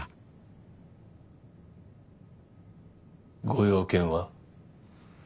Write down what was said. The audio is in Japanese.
ご用件は？